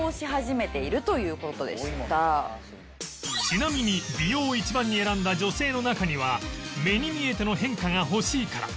ちなみに美容を一番に選んだ女性の中には「目に見えての変化が欲しいから」